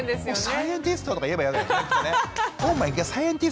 サイエンティストとか言えばいいわけですね。